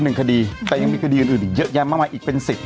จบเป็น๑คดีแต่ยังมีคดีอื่นอื่นเยอะแย้งมากมายอีกเป็น๑๐